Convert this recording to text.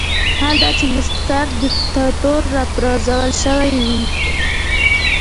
حال دا چې مستقر دیکتاتور راپرځول شوی وي.